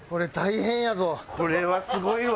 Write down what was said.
これはすごいわ。